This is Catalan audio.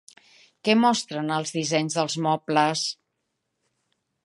Què mostren els dissenys dels mobles?